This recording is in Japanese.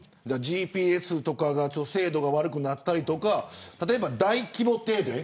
ＧＰＳとかの精度が悪くなったりとか例えば大規模停電。